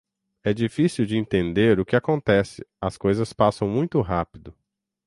É difícil de entender o que acontece, as coisas passam muito rápido.